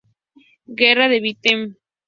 Guerra de Vietnam.